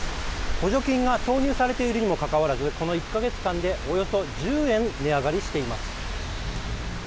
補助金が投入されているにもかかわらずこの１か月間でおよそ１０円値上がりしています。